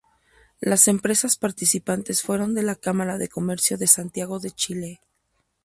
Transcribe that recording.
Las empresas participantes fueron de la Cámara de Comercio de Santiago de Chile.